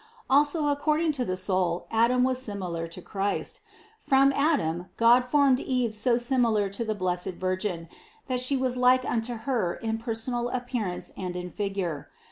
Also according to the soul Adam was similar to Christ. From Adam God formed Eve so similar to the Blessed Virgin, that she was like unto Her in personal appearance and in figure.